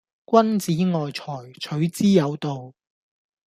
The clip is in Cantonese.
君子愛財，取之有道